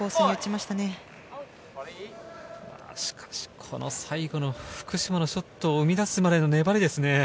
しかし、この最後の福島のショットを生みだすまでの粘りですね。